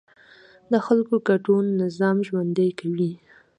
د خلکو ګډون نظام ژوندی کوي